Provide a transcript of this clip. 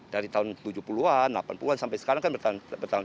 dari tahun tujuh puluh an delapan puluh an sampai sekarang kan bertahan